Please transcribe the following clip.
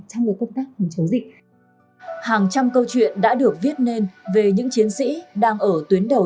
trong công tác phòng chống dịch hàng trăm câu chuyện đã được viết nên về những chiến sĩ đang ở tuyến đầu